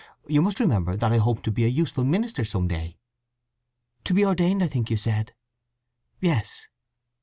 You must remember that I hope to be a useful minister some day." "To be ordained, I think you said?" "Yes."